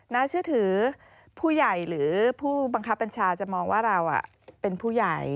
น่าเชื่อถือผู้ใหญ่หรือผู้บังคับบัญชาจะมองว่าเราเป็นผู้ใหญ่